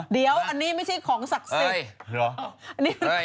เดี๋ยวอันนี้ไม่ใช่ของศักดิ์สิทธิ์